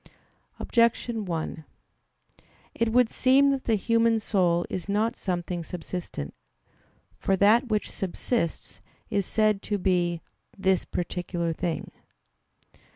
Objection 1: It would seem that the human soul is not something subsistent. For that which subsists is said to be "this particular thing."